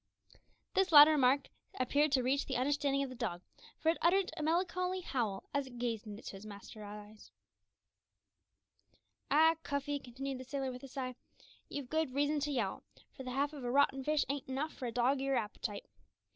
This latter remark appeared to reach the understanding of the dog, for it uttered a melancholy howl as it gazed into its master's eyes. "Ah, Cuffy!" continued the sailor with a sigh, "you've good reason to yowl, for the half of a rotten fish ain't enough for a dog o' your appetite.